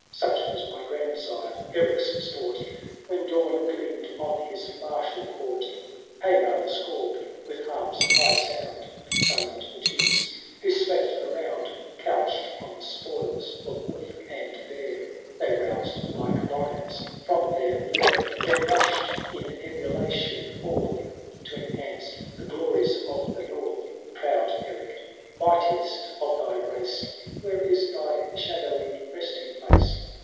Such was my grandsire Erick^s sport, When dawn gleamed on his martial court Heymai the Scald, with harp's high sound, Summoned the chie& who slept around ; Couched on the spoils of wolf and bear. They roused like lions from their bur, Then rushed in emulation forth To enhance the glories of the north.— Proud Erick, mightiest of thy race. Where is thy shadowy resting place